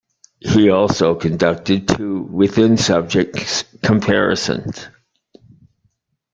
He also conducted two within subjects comparisons.